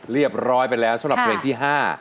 เรียบร้อยไปแล้วสำหรับเพลงที่๕